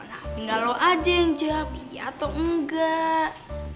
nah tinggal lo aja yang jawab iya atau enggak